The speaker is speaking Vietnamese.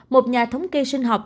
một nhà thống kê sinh học